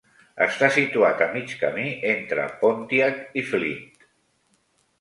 Està situat a mig camí entre Pontiac i Flint.